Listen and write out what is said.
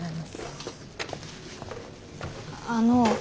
あの。